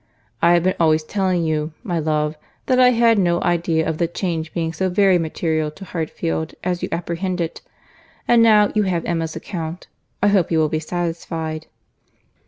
I have been always telling you, my love, that I had no idea of the change being so very material to Hartfield as you apprehended; and now you have Emma's account, I hope you will be satisfied."